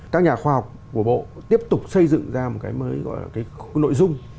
các nhà khoa học của bộ tiếp tục xây dựng ra một cái mới gọi là cái nội dung